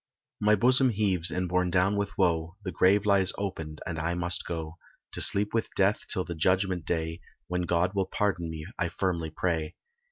My bosom heaves and borne down with woe, The grave lies open and I must go, To sleep with death till the Judgment day, When God will pardon me I firmly pray.